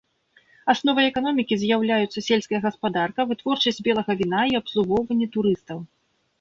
Асновай эканомікі з'яўляюцца сельская гаспадарка, вытворчасць белага віна і абслугоўванне турыстаў.